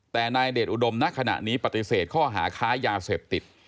แต่นายเดชอุดมณขณะนี้ปฏิเสธข้อหาค้ายาเสพติด